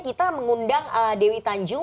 kita mengundang dewi tanjung